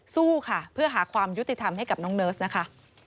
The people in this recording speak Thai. สู้ค่ะเพื่อหาความยุติธรรมให้กับน้องเนิร์สนะคะ